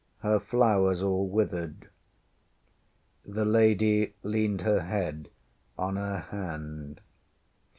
Her flowers all withered. ŌĆÖ The lady leaned her head on her hand.